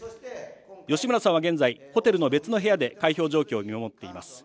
吉村さんは現在、ホテルの別の部屋で開票状況を見守っています。